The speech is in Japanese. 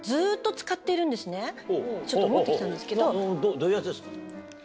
どういうやつですか？